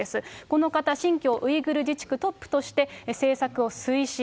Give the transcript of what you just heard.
この方、新疆ウイグル自治区トップとして政策を推進。